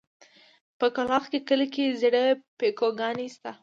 په کلاخ کلي کې زړې پيکوگانې شته.